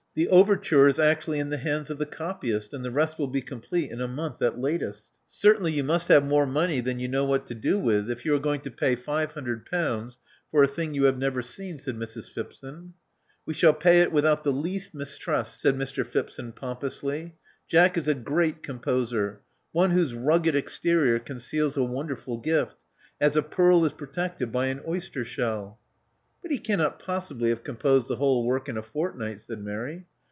The overture is actually in the hands of the copyist; and the rest will be complete in a month at latest." Certainly you must have more money than you know what to do with, if you are going to pay five htmdred pounds for a thing you have never seen," said Mrs. Phipson. We shall pay it without the least mistrust," said Mr. Phipson pompously Jack is a great composer: one whose rugged exterior conceals a wonderful gift, as a pearl is protected by an oyster shell." But he cannot possibly have composed the whole work in a fortnight," said Mary.